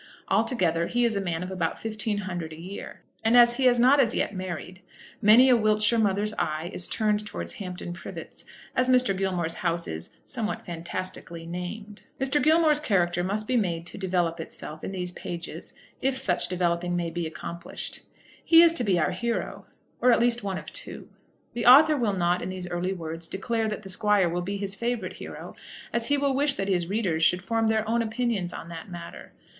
Altogether he is a man of about fifteen hundred a year, and as he is not as yet married, many a Wiltshire mother's eye is turned towards Hampton Privets, as Mr. Gilmore's house is, somewhat fantastically, named. Mr. Gilmore's character must be made to develope itself in these pages, if such developing may be accomplished. He is to be our hero, or at least one of two. The author will not, in these early words, declare that the squire will be his favourite hero, as he will wish that his readers should form their own opinions on that matter.